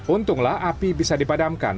untunglah api bisa dipadamkan